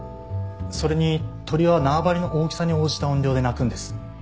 それに鳥は縄張りの大きさに応じた音量で鳴くんです。